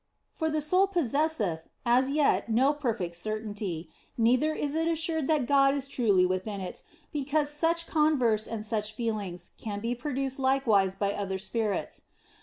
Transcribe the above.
For the soul possesseth as yet no perfect certainty, neither is it assured that God is truly within it, because such converse and such feelings can be produced likewise by other spirits.